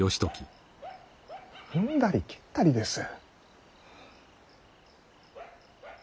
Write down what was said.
踏んだり蹴ったりです。